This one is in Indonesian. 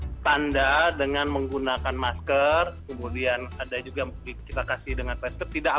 kemudian tanda dengan menggunakan masker kemudian ada juga kita kasih dengan pesket